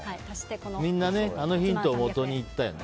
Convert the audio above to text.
みんな、あのヒントをもとにいったよね。